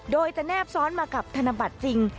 โดยจะแนบซ้อนมากับธนบัตรจริง